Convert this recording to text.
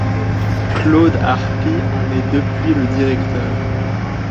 Claude Arpi en est depuis le directeur.